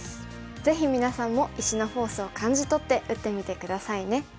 ぜひ皆さんも石のフォースを感じ取って打ってみて下さいね。